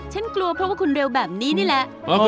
กลัวเพราะว่าคุณเร็วแบบนี้นี่แหละ